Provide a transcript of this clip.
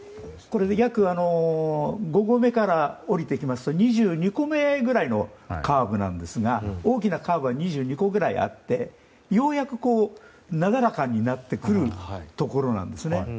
５合目から下りてきますと２２個目くらいのカーブなんですが大きなカーブは２２個くらいあってようやく、なだらかになってくるところなんですね。